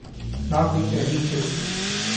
نہ کوئی تحریک چلی۔